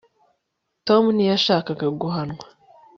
tom ntiyashakaga guhanwa